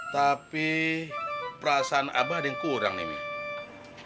tapi perasaan abang ada yang kurang nih